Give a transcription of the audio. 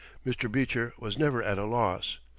Mr. Beecher was never at a loss.